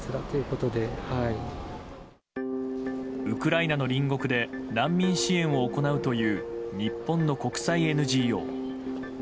ウクライナの隣国で難民支援を行うという日本の国際ＮＧＯ。